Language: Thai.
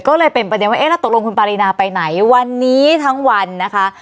ก็เลยเป็นประเด็นว่าเอ๊ะแล้วตกลงคุณปารีนาไปไหนวันนี้ทั้งวันนะคะ